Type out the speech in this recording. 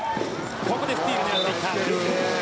ここでスチールを狙っていった。